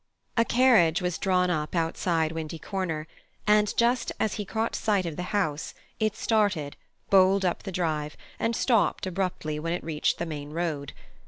A carriage was drawn up outside Windy Corner, and just as he caught sight of the house it started, bowled up the drive, and stopped abruptly when it reached the main road.